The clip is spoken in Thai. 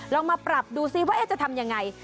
ลองมาปรับดูซิว่าจะทำยังไง